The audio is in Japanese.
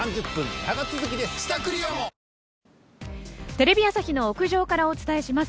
テレビ朝日の屋上からお伝えします。